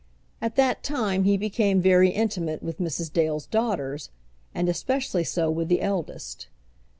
At that time he became very intimate with Mrs. Dale's daughters, and especially so with the eldest.